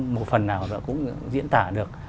một phần nào cũng diễn tả được